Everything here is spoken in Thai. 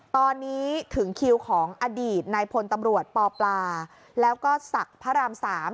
ตอนนี้ถึงคิวของอดีตนายพลตำรวจปปลาแล้วก็ศักดิ์พระราม๓